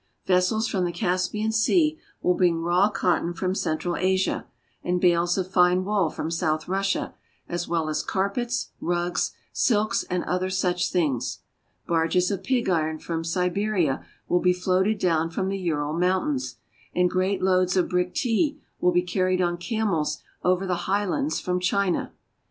Vessels from the Caspian Sea will bring raw cotton from Central Asia, and bales of fine wool from South Russia, as well as carpets, rugs, silks, and other such things. Barges of pig iron from Siberia will be floated down from the Ural Mountains, and great loads of brick tea will be carried on camels over the highlands from China.